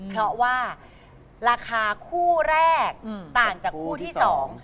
เพราะว่าราคาคู่แรกต่างจากคู่ที่สอง